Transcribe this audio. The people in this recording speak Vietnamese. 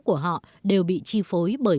của họ đều bị chi phối bởi